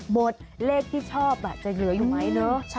บทเลขที่ชอบจะเหลืออยู่ไหมเนอะ